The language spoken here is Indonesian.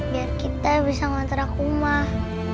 biar kita bisa ngontrak rumah